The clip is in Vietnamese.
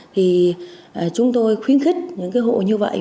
thì chúng tôi khuyến khích những cái hộ như vậy